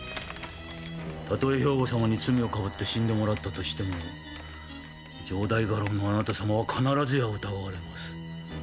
たとえ兵庫様に罪を被って死んでもらったとしても城代家老のあなた様は必ずや疑われます。